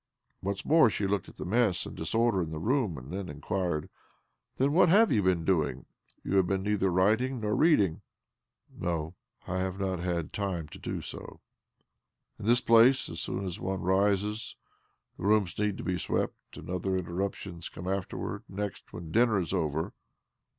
Once more she looked at the mess and disorder in the room, and' then inquired :' Then what have you been doing? You have neither been writing nor reading." " No ; I have not had time to do so., In this place, as soon as one rises, the rooms need to be swept, and other interruptions' occur afterwards. Next, when dinner is over